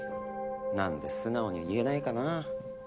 なんで素直に言えないかな？